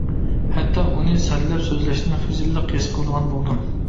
ھەتتا ئۇنى سەنلەپ سۆزلەشتىن خىجىللىق ھېس قىلىدىغان بولدۇم.